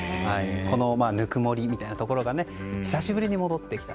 このぬくもりみたいなところが久しぶりに戻ってきた。